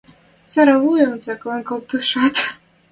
Цӓрӓ вуем цаклен колтышат: